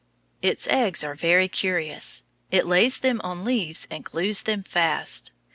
Its eggs are very curious. It lays them on leaves and glues them fast.